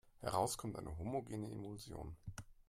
Heraus kommt eine homogene Emulsion.